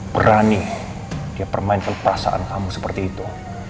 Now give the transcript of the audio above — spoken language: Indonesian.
berani dia permain perasaan kamu seperti itu